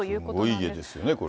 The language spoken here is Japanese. すごい家ですよね、これ。